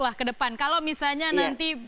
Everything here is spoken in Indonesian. wah ke depan kalau misalnya nanti